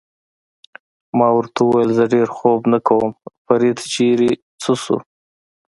ما ورته وویل: زه ډېر خوب نه کوم، فرید چېرې څه شو؟